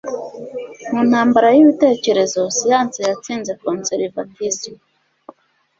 mu ntambara yibitekerezo, siyanse yatsinze konservatism